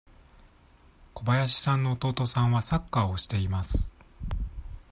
小林さんの弟さんはサッカーをしています。